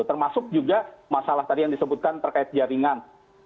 termasuk juga masalah tadi yang disebutkan terkait jaringan